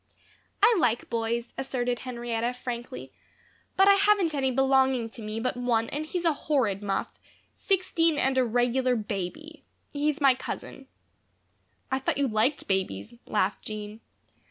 "I like boys," asserted Henrietta, frankly, "but I haven't any belonging to me but one and he's a horrid muff sixteen and a regular baby. He's my cousin." "I thought you liked babies," laughed Jean.